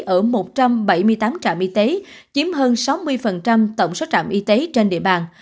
ở một trăm bảy mươi tám trạm y tế chiếm hơn sáu mươi tổng số trạm y tế trên địa bàn